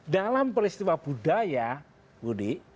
dalam peristiwa budaya budi